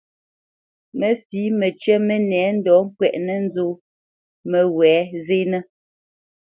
Mə fǐ məcyə́ mənɛ ndɔ́ ŋkwɛʼnə́ nzó məwɛ̌ zénə́.